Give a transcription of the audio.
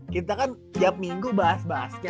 kita kan tiap minggu bahas basket ya